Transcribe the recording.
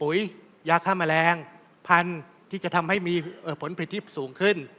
ยาฆ่าแมลงพันธุ์ที่จะทำให้มีผลผลิตที่สูงขึ้น